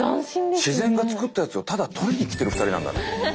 自然が作ったやつをただとりにきてる２人なんだね。